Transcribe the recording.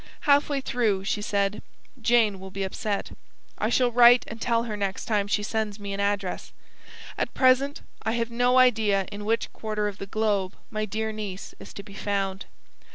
Half way through she said: 'Jane will be upset. I shall write and tell her next time she sends me an address. At present I have no idea in which quarter of the globe my dear niece is to be found.